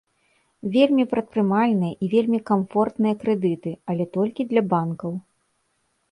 Вельмі прадпрымальныя і вельмі камфортныя крэдыты, але толькі для банкаў.